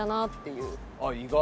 意外！